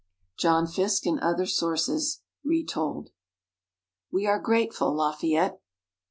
John Fiske and Other Sources (Retold) WE ARE GRATEFUL, LAFAYETTE!